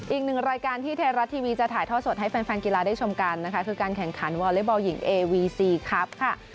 อีกหนึ่งรายการที่ไทยรัฐทีวีจะถ่ายท่อสดให้แฟนกีฬาได้ชมกันนะคะคือการแข่งขันวอเล็กบอลหญิงเอวีซีครับค่ะ